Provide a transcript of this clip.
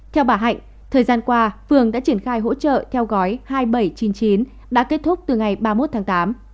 theo bà hạnh thời gian qua phường đã triển khai hỗ trợ theo gói hai nghìn bảy trăm chín mươi chín đã kết thúc từ ngày ba mươi một tháng tám